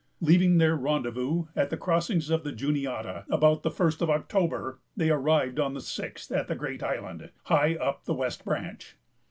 Leaving their rendezvous at the crossings of the Juniata, about the first of October, they arrived on the sixth at the Great Island, high up the west branch.